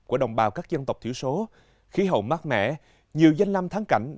của đồng bào các dân tộc thiểu số khí hậu mát mẻ nhiều danh năm tháng cảnh